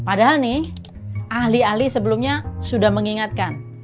padahal nih ahli ahli sebelumnya sudah mengingatkan